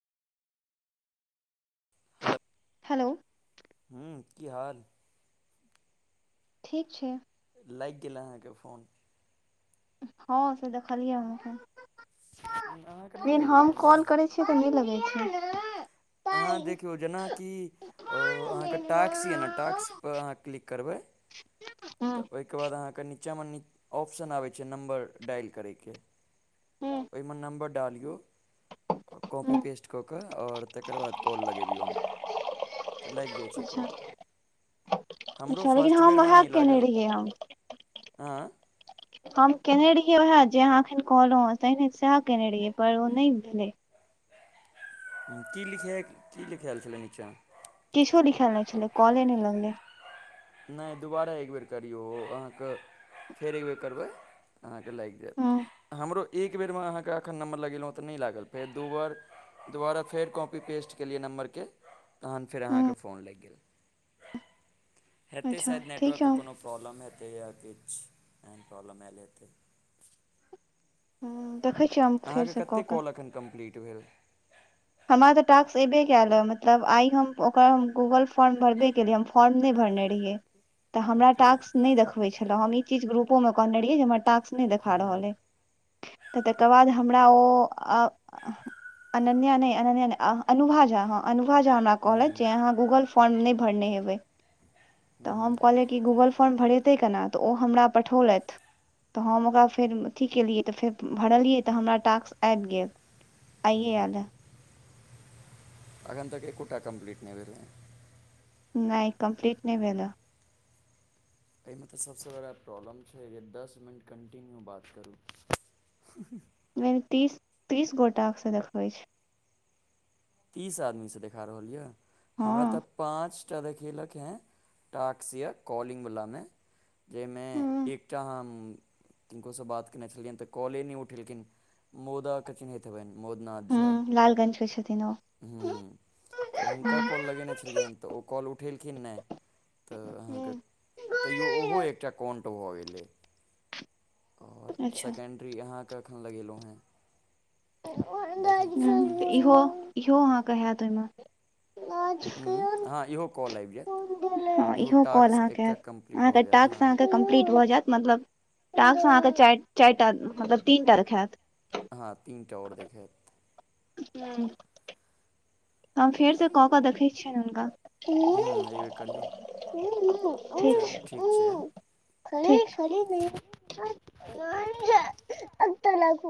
hello hello हू की हाल ठीक छै लाइग गेल अहाँके फोन हँ से देखलियै हम एखैन लेकिन अहाँके नहि लेकिन लागि हम रहल यए कॉल करै छियै त नइ लगै छै अहाँ देखियौ जेनाकि ओ अहाँके टाक्स य ने टाक्स पर अहाँ क्लिक करबै [inaudible] तऽ ओहिके बाद अहाँके नीचाँमे नि ऑप्शन आबै छै नम्बर डायल करयके ओहिमे नम्बर डालियौ कॉपी पेस्ट क क आओर तकर बाद कॉल लगेबियैन अच्छा हमरो अच्छा लेकिन फर्स्ट हम उएह कयने रहियै हम आँ हम कयने रहियै उएह जे अहाँ एखन कहलहुँ तहिने सएह कयने रहियै पर ओ नहि भेलै की लिखय की लिखैल छलै नीचा किछु लिखल नै छलै कॉले नइ लगलै नहि दुबारा एकबेर करियौ अहाँके फेर एकबेर करबै अहाँके लाइग हँ जैत हमरो एक बेरमे अहाँके एखन नम्बर लगेलहुँ तऽ नइ लागल फेर दू बार दुबारा फेर कॉपी पेस्ट केलियै नम्बरके तहन फेर हँ आहाके फोन लाइग गेल [unintelligible] हेतै शायद ठीक नेवर्क छै के कोनो प्रोबलम हतै नया किछ एहेन प्रॉबलम एल हेतै ह देखै छिय हम फेरसँ कऽ कऽ टूवेल्व हमरा तऽ टास्क एबे कयल ह मतलब आइ हम ओकर हम गूगल फॉर्म भरबे केलियै हम फॉर्म नई भर भरने रहियै त हमरा ओके टाक्स नइ देखबै छलह हम ई चीज गुरुपो म कहने रहियै जे हमरा टाक्स नइ देखा रहल यै त तकर बाद हमरा ओ अ अननिया नइ अननिया नइ आ अनुभा झा हाँ अनु अनुभा झा हमरा कहलै जे अहाँ गूगल फॉर्म नइ भरने हेबै तऽ हम कहलियै कि गूगल फॉर्म भरेतै केना तऽ ओ हमरा पठौलथि तऽ हम ओकरा फेर अथी केलियै तऽ फेर भरलियै तऽ हमरा टास्क आबि गेल आइए आल ह एखन तक एकोटा कम्पलीट नहि भेलै नहि कम्पलीट नइ भेलैय एहिमे तऽ सभसँ बड़ा प्रॉब्लम छै जे दस मिनट कन्टिन्यू बात करू [unintelligible] एम तीस तीस गोटाकसँ देखबै छै तीस आदमीसँ देखा रहल य हमरा त हँ पाँच टा देखेलक है टक्स या कॉलिंग वलामे जाहिमे एकटा हम किनको से बात केने छलियनि तऽ कॉले नहि उठेलखिन मोदा क चिनहेत हेबे मोदनाथ झा हूँ लालगंज के छथिन ओ ह्मँ हँ तऽ हुनका कॉल लगेने छलियनि तऽ ओ कॉल उठेलखिन नहि तऽ अहाँके तैओ ओहो एकटा कण्ट भऽ गेलै आओर अच्छा सेकेण्ड्ररी अहाँके एखन लगेलहुँ हेँ देखै छियै की होइ छै इहो इहो अहाँके हैत ओहिम आज हूँ कयौ ने हँ इहो कॉल आइब जैत हँ इहो कॉल अहाँकेँ हयत हो अहाँके जायत टास्क हँ अहाँके कम्प्लीट भऽ जायत मतलब टाकसँ अहाँके चारि चारि टा मतलब तीन टा रखायत हँ तीन टा आओर देखैत ह हम फेर से कऽ कऽ देखैत छियनि हुनका हु हूँ एहिबेर करियौ ने हु हु हु ठिक चलू छै ठीक हु खर ठीक छै खरी नहि अग लागू